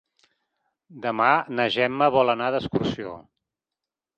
Demà na Gemma vol anar d'excursió.